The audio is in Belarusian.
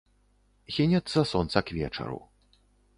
Хінецца сонца к вечару.